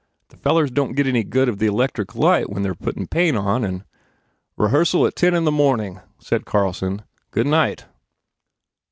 The fellers don t get any good of the electric light while they re puttin paint on, and " "Rehearsal at ten in the morning," said Carl son, "Good night."